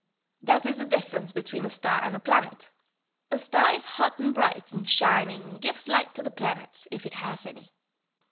That is the difference between a star and a planet. A star is hot and bright and shining and gives light to the planets, if it has any.